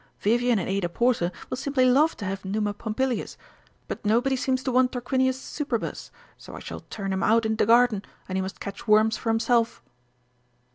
Vivian and Ada Porter will simply love to have Numa Pompilius, but nobody seems to want Tarquinius Superbus, so I shall turn him out in the garden, and he must catch worms for himself."